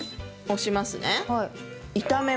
押します。